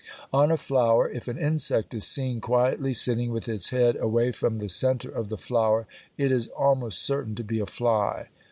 On a flower, if an insect is seen quietly sitting with its head away from the centre of the flower, it is almost certain to be a fly.